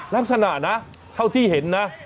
ลักษณะนะเท่าที่เห็นนะ